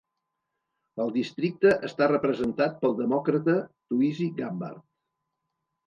El districte està representat pel demòcrata Tuisi Gabbard.